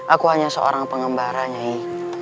aku hanya seorang pengambara nyai